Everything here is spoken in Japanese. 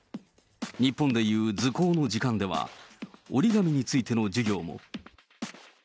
日本でいう図工の時間では、折り紙についての授業も。